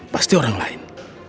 pasti orang lain